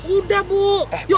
udah bu yuk kita pulang aja